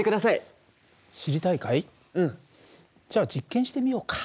じゃあ実験してみようか。